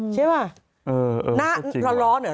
เช่นเมื่อร้อนก็เข้าห้องแอร์เลย